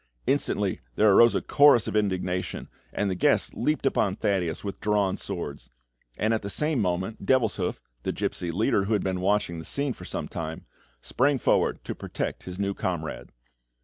Instantly there arose a chorus of indignation, and the guests leaped upon Thaddeus with drawn swords; and at the same moment, Devilshoof, the gipsy leader, who had been watching the scene for some time, sprang forward to protect his new comrade.